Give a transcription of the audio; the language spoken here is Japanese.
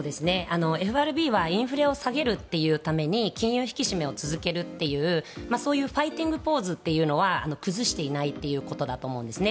ＦＲＢはインフレを下げるってために金融引き締めを続けるというそういうファイティングポーズというのは崩していないということだと思うんですね。